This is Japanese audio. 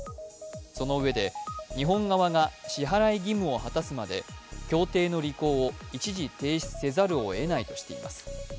そのうえで、日本側が支払い義務を果たすまで協定の履行を一時停止せざるをえないとしています。